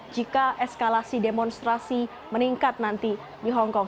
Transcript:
jika eskalasi demonstrasi meningkat nanti di hongkong